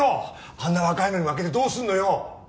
あんな若いのに負けてどうすんのよ！